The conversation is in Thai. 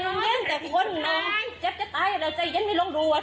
ใจเย็นเย็นแต่คนน้องเจ็บจะตายแล้วใจเย็นไม่ลองรู้อ่ะ